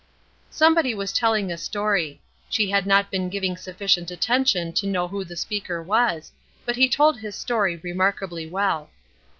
Somebody was telling a story; she had not been giving sufficient attention to know who the speaker was, but he told his story remarkably well.